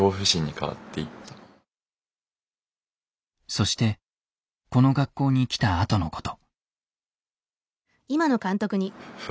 そしてこの学校に来たあとのこと。